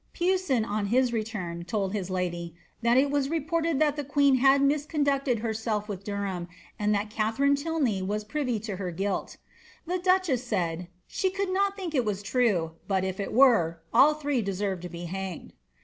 Pewson, on his return, told his lady ^ that it was reported that the queen had misconducted herself with Derham, aud that Katharine Tylney was privy to her guilt" The duchess said ^ she could not think it was true, but, if it were, all three deserved to be hanged."